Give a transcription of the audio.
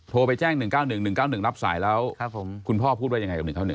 โทรไปแจ้งหนึ่งเก้าหนึ่งหนึ่งเก้าหนึ่งรับสายแล้วครับผมคุณพ่อพูดไว้ยังไงกับหนึ่งข้าวหนึ่ง